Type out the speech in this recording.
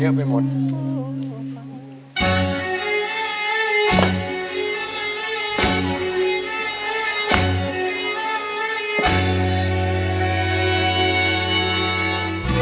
มาแล้วครับ